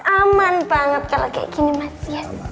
aman banget kalau kayak gini mas